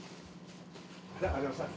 じゃありがとうございました。